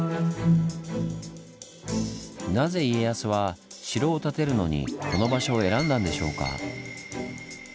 なぜ家康は城を建てるのにこの場所を選んだんでしょうか？